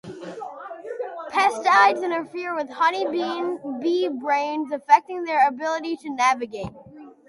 Pesticides interfere with honey bee brains, affecting their ability to navigate.